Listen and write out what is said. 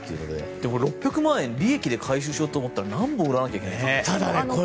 でも、６００万円を利益で回収しようと思ったら何本売らなきゃいけないんだろ？